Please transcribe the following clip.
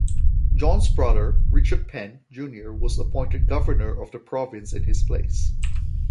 John's brother, Richard Penn, Junior was appointed governor of the province in his place.